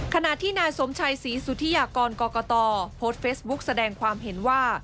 ขณะที่นายสมชัยศรีสุธิยากรกรกตโพสต์เฟซบุ๊กแสดงความเห็นว่า